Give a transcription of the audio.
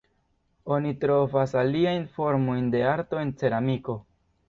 Oni trovas aliaj formojn de arto en ceramiko.